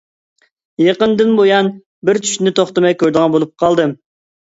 يېقىندىن بۇيان بىر چۈشنى توختىماي كۆرىدىغان بولۇپ قالدىم.